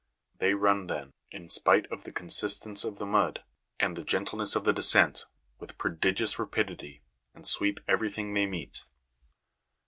They run then, in spite of the consistence of the mud, and the gentleness of the descent, with prodigious rapidity, and sweep everything they meet.